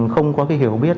không có hiểu biết